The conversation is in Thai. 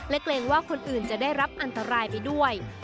เกรงว่าคนอื่นจะได้รับอันตรายไปด้วย